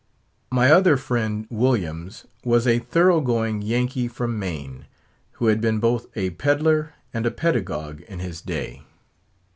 My other friend, Williams, was a thorough going Yankee from Maine, who had been both a peddler and a pedagogue in his day.